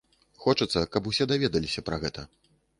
Хочацца, каб усе даведаліся пра гэта.